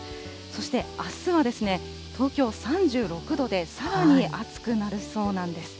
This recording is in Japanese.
そして、あすは東京３６度でさらに暑くなるそうなんです。